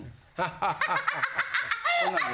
ハハハハハ！